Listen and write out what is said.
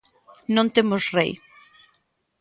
Non temos rei.